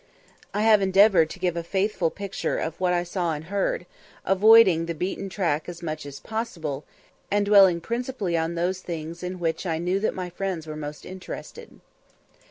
I have endeavoured to give a faithful picture of what I saw and heard, avoiding the beaten track as much as possible, and dwelling principally on those things in which I knew that my friends were most interested.